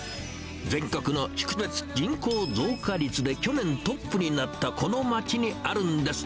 全国の市区別人口増加率で、去年トップになったこの町にあるんです。